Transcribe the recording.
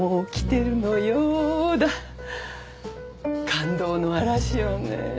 感動の嵐よね。